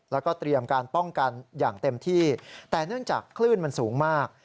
แล้วก็เตรียมการป้องกันอย่างเต็มที่แต่เนื่องจากคลื่นมันสูงมาก